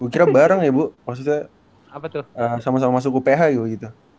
kira bareng ya bu maksudnya sama sama masuk uph gitu